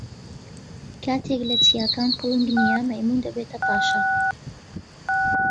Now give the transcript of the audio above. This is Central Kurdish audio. کاتێک لە چیاکان پڵنگ نییە، مەیموون دەبێتە پاشا.